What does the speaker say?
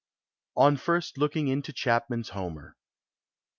ON FIRST LOOKING INTO CHAPMAN'S HOMER.